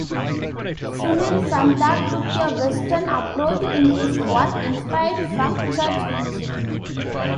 Sunil Santha took a Western approach in his work inspired from Church music.